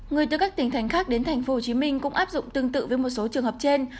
người từ các tỉnh thành khác đến thành phố hồ chí minh cũng áp dụng tương tự với một số trường hợp trên